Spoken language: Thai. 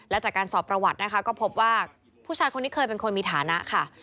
และจากการสอบประวัตินะคะก็พบว่าผู้ชายคนนี้เคยเป็นคนมีฐานะค่ะ